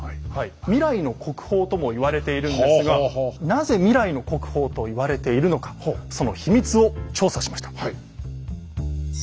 未来の国宝とも言われているんですがなぜ未来の国宝と言われているのかその秘密を調査しました。